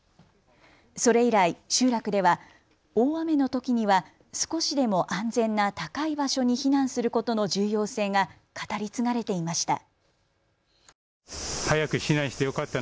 それ以来、集落では大雨のときには少しでも安全な高い場所に避難することの重要性が語り継がれていました。